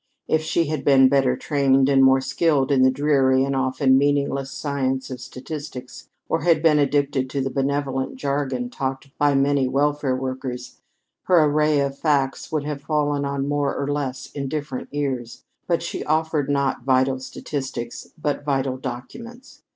If she had been "better trained," and more skilled in the dreary and often meaningless science of statistics, or had become addicted to the benevolent jargon talked by many welfare workers, her array of facts would have fallen on more or less indifferent ears. But she offered not vital statistics, but vital documents.